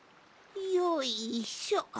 よいしょ。